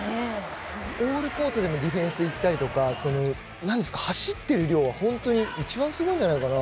オールコートでもディフェンスいったりとか走ってる量が一番すごいんじゃないかな。